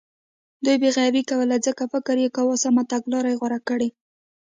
دوی بې غوري کوله ځکه فکر یې کاوه سمه تګلاره یې غوره کړې.